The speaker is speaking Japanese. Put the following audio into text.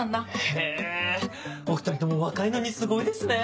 へぇお２人とも若いのにすごいですね。